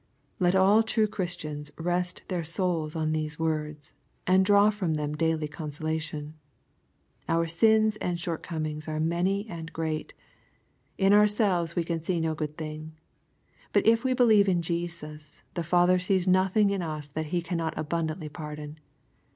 Let all true Christians rest their souls on these words, and draw firom them daily consolation. Oar sins and shortcomings are many and great. In ourselves we can see no good thing. But if we believe in Jesus, the Father sees nothing in us that He cannot abundantly pardon.